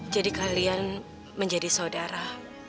jadi kalian menjadi saudara